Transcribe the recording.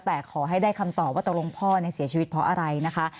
แต่ขอให้ได้คำตอบว่าตกลงพ่อเสียชีวิตเพราะอะไรนะคะ